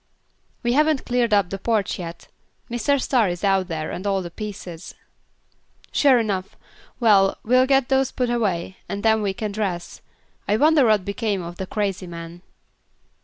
"We haven't cleared up the porch yet. Mr. Star is out there and all the pieces." "Sure enough. Well, we'll get those put away, and then we can dress. I wonder what became of the crazy man."